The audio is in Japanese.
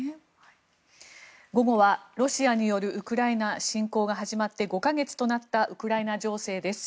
午後はロシアによるウクライナ侵攻が始まって５か月となったウクライナ情勢です。